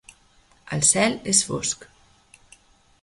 El cel és fosc.